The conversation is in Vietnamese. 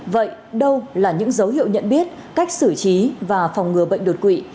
vậy đâu là những dấu hiệu nhận biết cách xử trí và phòng ngừa bệnh đột quỵ